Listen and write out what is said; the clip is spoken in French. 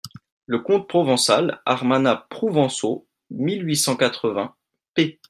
Le conte provençal (_Armana prouvençau_, mille huit cent quatre-vingts, p.